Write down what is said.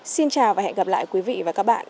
xin chào và hẹn gặp lại quý vị và các bạn